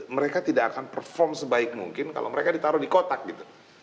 mereka tidak akan perform sebaik mungkin kalau mereka ditaruh di kotak gitu